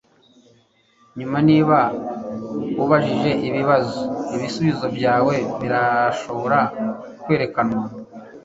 nyuma niba ubajije ibibazo ibisubizo byawe birashobora kwerekanwa